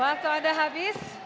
waktu anda habis